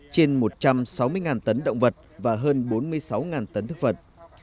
trên một trăm sáu mươi tấn động vật và hơn bốn mươi sáu tấn thức